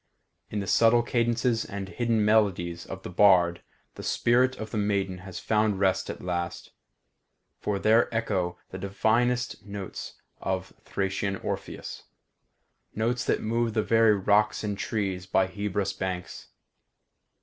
In the subtle cadences and hidden melodies of the bard the spirit of the maiden has found rest at last, for there echo the divinest notes of Thracian Orpheus; notes that moved the very rocks and trees by Hebrus' banks.